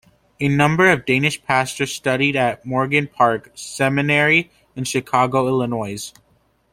A number of Danish pastors studied at Morgan Park Seminary in Chicago, Illinois.